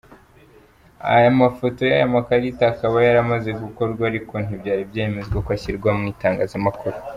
Amafoto y’aya makarita akaba yaramaze gukorwa ariko ntibyari byemezwa ko ashyirwa mu itangazamakuru.